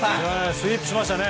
スイープしましたね。